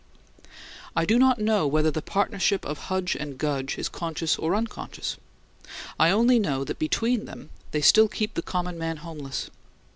I do not know whether the partnership of Hudge and Gudge is conscious or unconscious. I only know that between them they still keep the common man homeless.